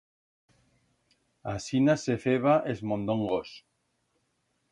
Asinas se feba es mondongos.